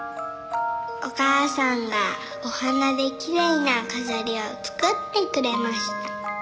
「おかあさんがおはなできれいなかざりをつくってくれました」